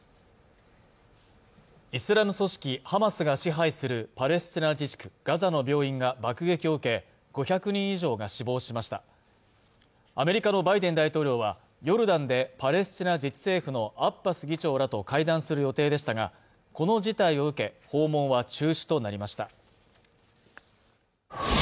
イスラム組織ハマスが支配するパレスチナ自治区ガザの病院が爆撃を受け５００人以上が死亡しましたアメリカのバイデン大統領はヨルダンでパレスチナ自治政府のアッバス議長らと会談する予定でしたがこの事態を受け訪問は中止となりました